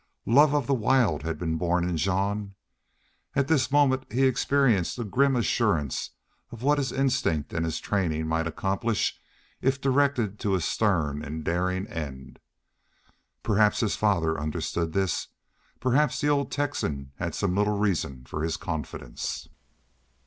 Love of the wild had been born in Jean. At this moment he experienced a grim assurance of what his instinct and his training might accomplish if directed to a stern and daring end. Perhaps his father understood this; perhaps the old Texan had some little reason for his confidence.